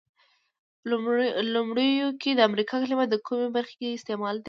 لومړیو کې د امریکا کلمه د کومې برخې ته استعمالیده؟